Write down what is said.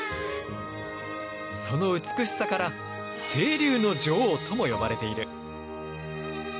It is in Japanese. その美しさから清流の女王とも呼ばれている。